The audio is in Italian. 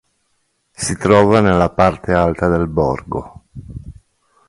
Si trova nella parte alta del borgo.